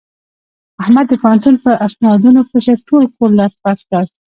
احمد د پوهنتون په اسنادونو پسې ټول کور لت پت کړ.